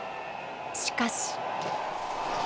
しかし。